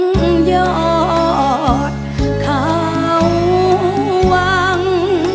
มองยอดเขาวัง